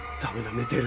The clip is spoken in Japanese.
寝てる。